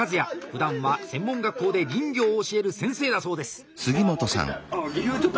ふだんは専門学校で林業を教える先生だそうです。